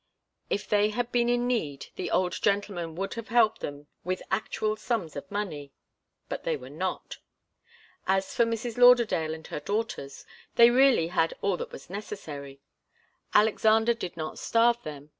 If they had been in need, the old gentleman would have helped them with actual sums of money. But they were not. As for Mrs. Lauderdale and her daughters, they really had all that was necessary. Alexander did not starve them.